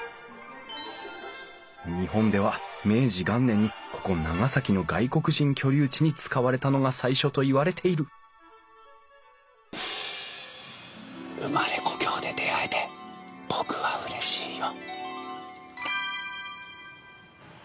日本では明治元年にここ長崎の外国人居留地に使われたのが最初といわれてる生まれ故郷で出会えて僕はうれしいよ。